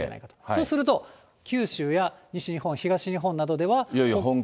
そうすると、九州や西日本、東日本などでは。